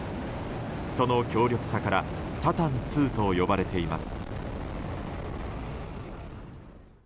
その強力さからサタン２と呼ばれています。